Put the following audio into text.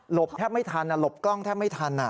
แทบไม่ทันหลบกล้องแทบไม่ทัน